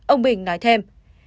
ông bình nói thêm